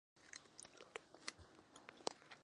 龙陵新木姜子为樟科新木姜子属下的一个种。